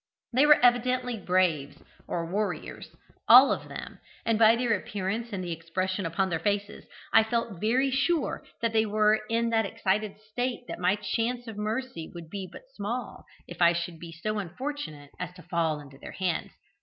They were evidently "braves," or warriors, all of them, and by their appearance and the expression upon their faces, I felt very sure that they were in that excited state that my chance of mercy would be but small if I should be so unfortunate as to fall into their hands.